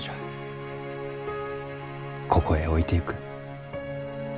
ここへ置いてゆく。